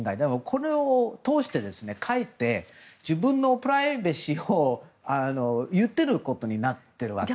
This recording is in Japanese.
これを通してかえって自分のプライバシーを言っていることになってるわけです。